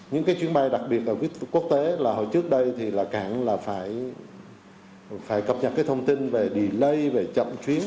những chuyến bay đặc biệt ở quốc tế là hồi trước đây thì cảng phải cập nhật thông tin về delay về chậm chuyến